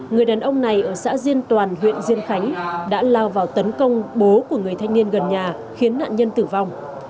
người đàn ông này ở xã diên toàn huyện diên khánh đã lao vào tấn công bố của người thanh niên gần nhà khiến nạn nhân tử vong